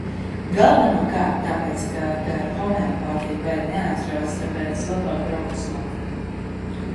Galvenokārt tāpēc, ka te ar homeopātiju baigi neaizraujas, tāpēc labāk braukt uz Latviju.